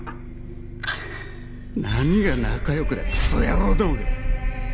何が仲良くだクソ野郎どもが！